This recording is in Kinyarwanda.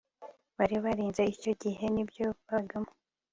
bari barize icyo gihe ni byo babagamo